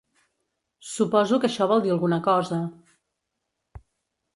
Suposo que això vol dir alguna cosa.